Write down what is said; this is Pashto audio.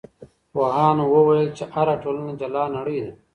پوهانو وویل چې هره ټولنه جلا نړۍ ده.